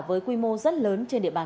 với quy mô rất lớn trên địa bàn